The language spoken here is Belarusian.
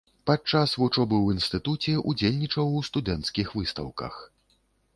Падчас вучобы ў інстытуце ўдзельнічаў у студэнцкіх выстаўках.